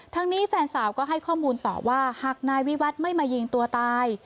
นี้แฟนสาวก็ให้ข้อมูลต่อว่าหากนายวิวัฒน์ไม่มายิงตัวตาย